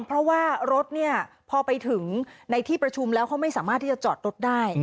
เพราะว่ารถเนี่ยพอไปถึงในที่ประชุมแล้วเขาไม่สามารถที่จะจอดรถได้